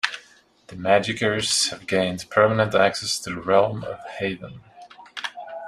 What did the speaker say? The Magickers have gained permanent access to the realm of Haven.